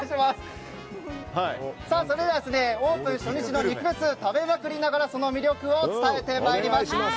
それではオープン初日の肉フェス、食べまくりながらその魅力を伝えてまいります。